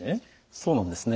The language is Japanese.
そうなんですね。